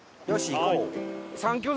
行こう！